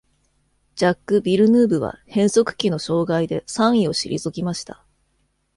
ジャック・ヴィルヌーヴは変速機の障害で三位を退きました。